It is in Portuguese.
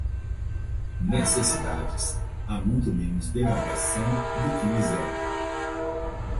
Nestas cidades, há muito menos degradação do que miséria.